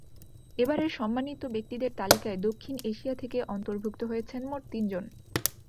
এবারের সম্মানিত ব্যক্তিদের তালিকায় দক্ষিণ এশিয়া থেকে অন্তর্ভুক্ত হয়েছেন মোট তিনজন।